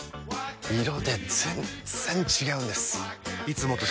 色で全然違うんです！